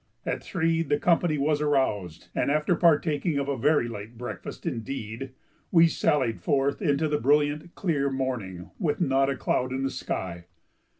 At three the company was aroused, and, after partaking of a very light breakfast indeed, we sallied forth into the brilliant, clear morning with not a cloud in the sky.